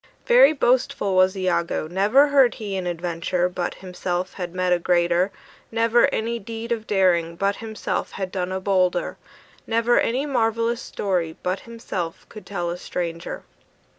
Very boastful was Iagoo; Never heard he an adventure But himself had met a greater; Never any deed of daring But himself had done a bolder; Never any marvellous story But himself could tell a stranger.